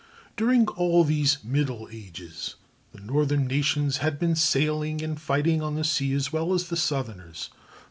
During all these "middle" ages the northern nations had been sailing and fighting on the sea as well as the southerners.